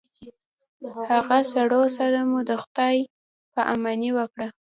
هغه سړو سره مو د خداے په اماني وکړه